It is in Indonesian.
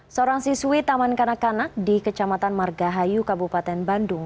seorang siswi taman kanak kanak di kecamatan margahayu kabupaten bandung